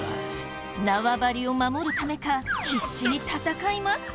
縄張りを守るためか必死に戦います。